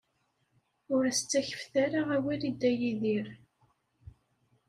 Ur as-ttakfet ara awal i Dda Yidir.